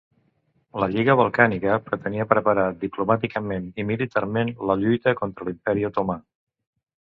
La Lliga Balcànica pretenia preparar diplomàticament i militarment la lluita contra l'Imperi Otomà.